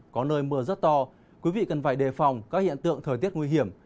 có nơi mưa rất to quý vị cần phải đề phòng các hiện tượng thời tiết nguy hiểm